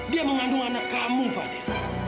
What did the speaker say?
dia mengandung anak kamu fatih